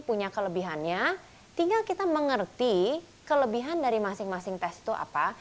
punya kelebihannya tinggal kita mengerti kelebihan dari masing masing tes itu apa